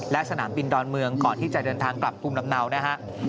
และสนามบินดอนเมืองก่อนที่จะเดินทางกลับภูมิลำเนานะฮะ